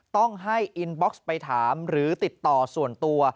ต้องให้อินบ็อกซ์ไปถามหรือติดต่อส่วนตัว